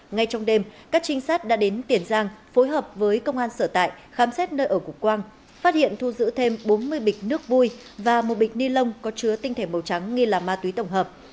ngay trong đêm các trinh sát đã đến tiền giang phối hợp với công an sở tại khám xét nơi ở cục quang phát hiện thu giữ thêm bốn mươi bịch nước vui và một bịch ni lông có chứa tinh thể màu trắng nghi là ma túy tổng hợp